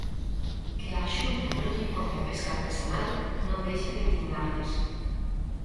Que á Xunta non lle importe a pesca artesanal non deixa de indignarlles.